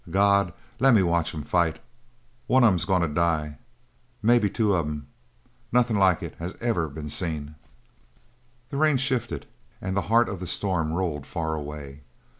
God lemme watch 'em fight. One of 'em is goin' to die may be two of 'em nothin' like it has ever been seen!" The rain shifted, and the heart of the storm rolled far away.